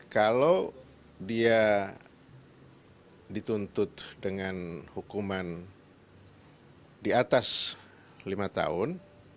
kalau dia dituntut dengan hukuman di atas lima tahun